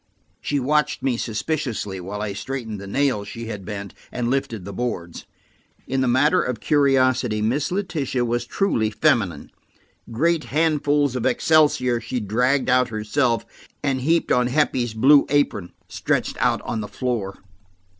She watched me suspiciously while I straightened the nails she had bent, and lifted the boards. In the matter of curiosity, Miss Letitia was truly feminine; great handfuls of excelsior she dragged out herself, and heaped on Heppie's blue apron, stretched out on the floor.